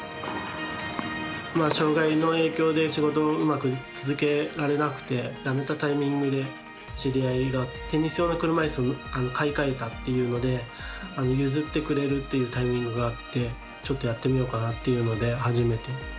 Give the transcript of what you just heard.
まあ、障がいの影響で仕事をうまく続けられなくて辞めたタイミングで知り合いがテニス用の車いすを買い替えたっていうので譲ってくれるっていうタイミングがあってちょっと、やってみようかなっていうので始めて。